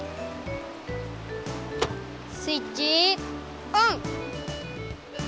スイッチオン！